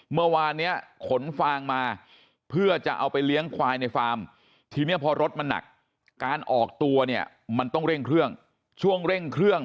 เมื่อวานเนี้ยขนฟางมาเพื่อจะเอาไปเลี้ยงควายในฟาร์มทีนี้พอรถมันหนักการออกตัวเนี่ยมันต้องเร่งเครื่องช่วงเร่งเครื่อง